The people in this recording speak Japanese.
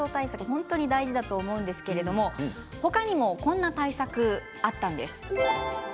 本当に大事だと思うんですけれども他にもこんな対策があったんです。